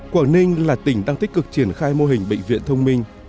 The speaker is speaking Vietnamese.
quảng ninh là tỉnh đang tích cực triển khai mô hình bệnh viện thông minh